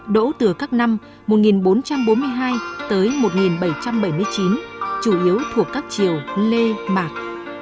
đỗ từ các năm một nghìn bốn trăm bốn mươi hai tới một nghìn bảy trăm bảy mươi chín chủ yếu thuộc các chiều lê mạc